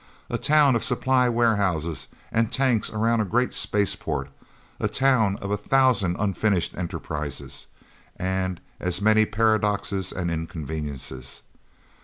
A town of supply warehouses and tanks around a great space port; a town of a thousand unfinished enterprises, and as many paradoxes and inconveniencies.